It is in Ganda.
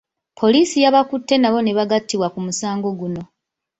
Poliisi yabakutte nabo ne bagattibwa ku musango guno.